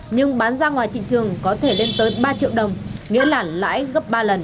nhưng bán ra ngoài thị trường có thể lên tới ba triệu đồng nghĩa là lãi gấp ba lần